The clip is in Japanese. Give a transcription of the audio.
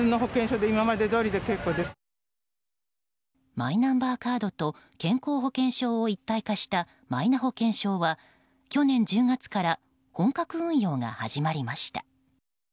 マイナンバーカードと健康保険証を一体化したマイナ保険証は去年１０月から本格運用が始まりました。